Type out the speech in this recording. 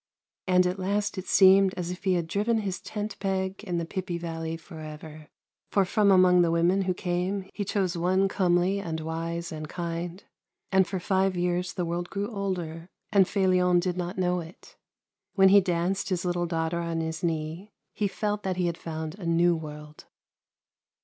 And at last it seemed as if he had driven his tent peg in the Pipi Valley forever ; for from among the women who came he chose one comely and wise and kind, and for five years the world grew older, and Felion did not know it. When he danced his little daughter on his knee, he felt that he had found a new world.